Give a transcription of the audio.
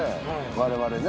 我々ね。